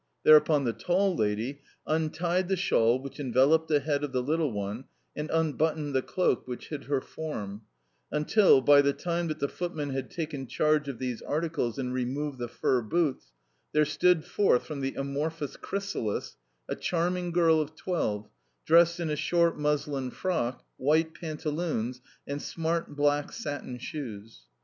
Thereupon the tall lady untied the shawl which enveloped the head of the little one, and unbuttoned the cloak which hid her form; until, by the time that the footmen had taken charge of these articles and removed the fur boots, there stood forth from the amorphous chrysalis a charming girl of twelve, dressed in a short muslin frock, white pantaloons, and smart black satin shoes.